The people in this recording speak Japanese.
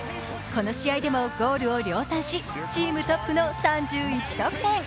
この試合でもゴールを量産しチームトップの３１得点。